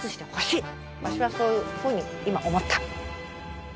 わしはそういうふうに今思った。